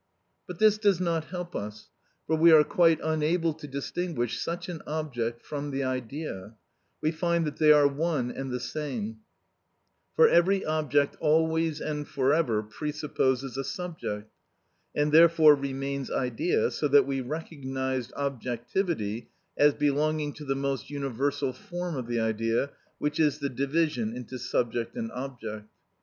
But this does not help us, for we are quite unable to distinguish such an object from the idea; we find that they are one and the same; for every object always and for ever presupposes a subject, and therefore remains idea, so that we recognised objectivity as belonging to the most universal form of the idea, which is the division into subject and object.